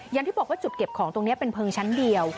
อย่างที่บอกว่าจุดเก็บของตรงนี้เป็นเพลิงชั้นเดียว